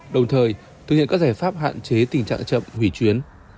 đồng thời thực hiện các giải pháp hạn chế tình trạng chậm hủy chuyến